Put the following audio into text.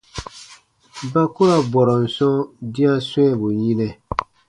Ba ku ra bɔrɔn sɔ̃ dĩa swɛ̃ɛbu yinɛ.